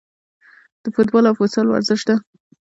د فوټبال او فوتسال ورزش ته